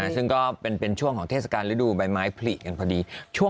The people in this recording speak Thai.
ซึ่งก็เป็นช่วงของเทศกาลฤดูใบไม้ผลิกันพอดี